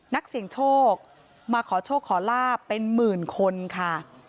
นักเสี่ยงโชคมาขอโชคขอลาบเป็นหมื่นคนค่ะ